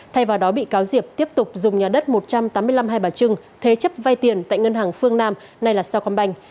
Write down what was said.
thay vào đó bị cáo diệp tiếp tục dùng nhà đất một trăm tám mươi năm hai bà trưng thế chấp vay tiền tại ngân hàng phương nam nay là sao công banh